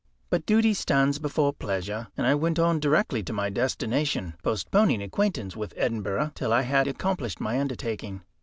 But duty stands before pleasure, and I went on directly to my destination, postponing acquaintance with Edinburgh till I had accomplished my undertaking.